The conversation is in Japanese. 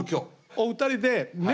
お二人でね